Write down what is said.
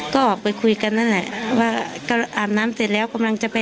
ก็ออกไปคุยกันนั่นแหละว่าก็อาบน้ำเสร็จแล้วกำลังจะไป